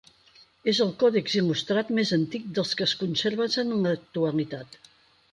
És el còdex il·lustrat més antic dels que es conserven en l'actualitat.